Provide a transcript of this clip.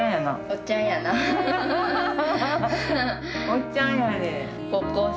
おっちゃんやねん。